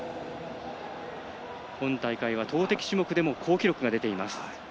今大会は投てき種目でも好記録が出ています。